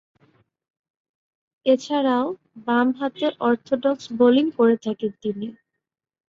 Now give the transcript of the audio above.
এছাড়াও, বামহাতে orthodox bowling করে থাকেন তিনি।